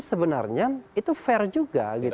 sebenarnya itu fair juga